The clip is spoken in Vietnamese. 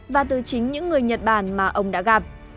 và từ chính những người nhật bản mà ông đã gặp